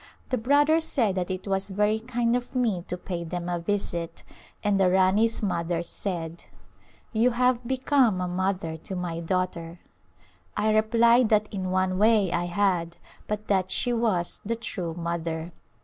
The bro ther said that it was very kind of me to pay them a visit, and the Rani's mother said, " You have become a mother to my daughter." I replied that in one way I had but that she was the true mother.